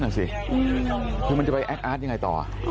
นั่นสิคือมันจะไปแอคอาร์ตยังไงต่อ